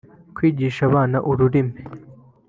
kwigisha abana ururimi